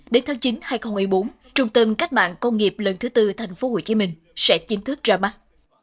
đến tháng chín hai nghìn một mươi bốn trung tâm cách mạng công nghiệp lần thứ tư tp hcm sẽ chính thức ra mắt